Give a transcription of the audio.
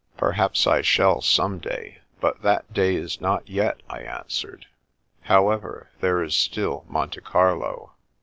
" Perhaps I shall some day, but that day is not yet," I answered. " However, there is still Monte Carlo."